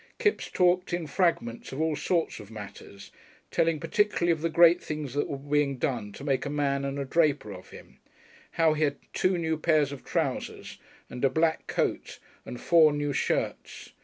Kipps talked in fragments of all sorts of matters, telling particularly of the great things that were being done to make a man and a draper of him, how he had two new pairs of trousers and a black coat and four new shirts.